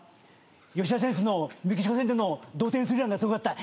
吉田選手のメキシコ戦での同点スリーランがすごかった？